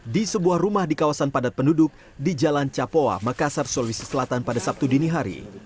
di sebuah rumah di kawasan padat penduduk di jalan capoa makassar sulawesi selatan pada sabtu dini hari